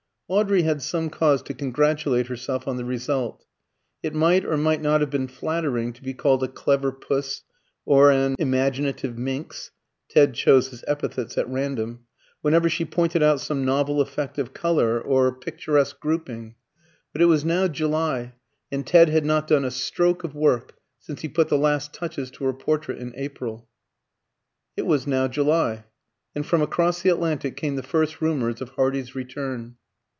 Audrey had some cause to congratulate herself on the result. It might or might not have been flattering to be called a "clever puss" or an "imaginative minx" (Ted chose his epithets at random), whenever she pointed out some novel effect of colour or picturesque grouping; but it was now July, and Ted had not done a stroke of work since he put the last touches to her portrait in April. It was now July, and from across the Atlantic came the first rumours of Hardy's return.